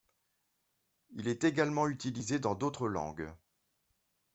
Il est également utilisé dans d'autres langues.